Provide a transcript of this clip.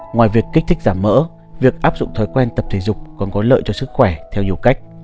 ngoài việc kích thích giảm mỡ việc áp dụng thói quen tập thể dục còn có lợi cho sức khỏe theo nhiều cách